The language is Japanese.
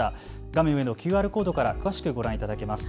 画面上のＱＲコードから詳しくご覧いただけます。